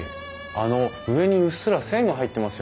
あの上にうっすら線が入ってますよね。